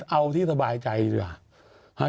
เอาที่สบายใจดีกว่า